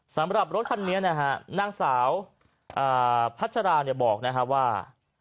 สำหรับรถคันนี้นะฮะนางสาวพัชราเนี่ยบอกนะฮะว่า